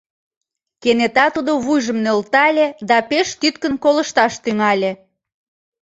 Кенета тудо вуйжым нӧлтале да пеш тӱткын колышташ тӱҥале.